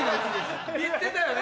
行ってたよね？